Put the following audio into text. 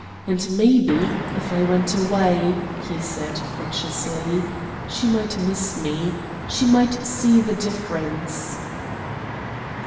And, maybe, if I went away," he said, consciously, "she might miss me. She might see the difference."